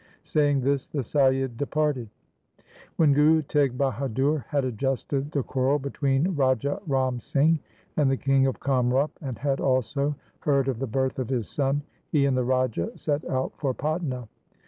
1 Saying this the Saiyid departed. When Guru Teg Bahadur had adjusted the quarrel between Raja Ram Singh and the king of Kamrup, and had also heard of the birth of his son, he and the Raja set out for Patna.